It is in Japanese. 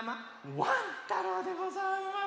ワン太郎でございます！